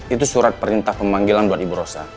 itu surat perintah pemanggilan buat ibu rosa